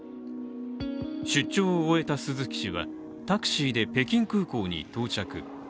出張を終えた鈴木氏はタクシーで北京空港に到着。